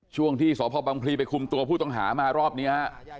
ช่วงที่สพบังพลีไปคุมตัวผู้ต้องหามารอบนี้ฮะ